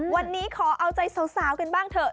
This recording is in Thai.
วันนี้ขอเอาใจสาวกันบ้างเถอะ